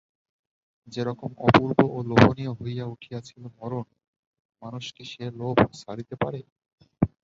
যেরকম অপূর্ব ও লোভনীয় হইয়া উঠিয়াছিল মরণ, মানুষ কি সে লোভ ছাড়িতে পারে?